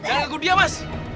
jangan ganggu dia mas